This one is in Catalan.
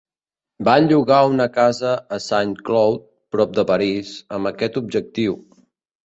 Van llogar una casa a Saint-Cloud, prop de París, amb aquest objectiu.